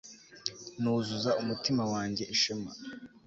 Nuzuza umutima wanjye ishema